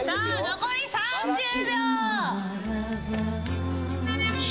残り３０秒。